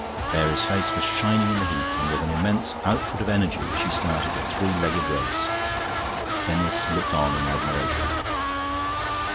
Mary's face was shining in the heat; with an immense output of energy she started a three legged race. Denis looked on in admiration.